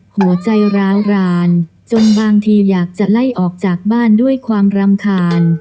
หัวใจร้าวรานจนบางทีอยากจะไล่ออกจากบ้านด้วยความรำคาญ